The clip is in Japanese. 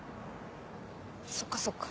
そっかそっか。